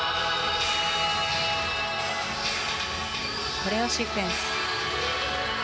コレオシークエンス。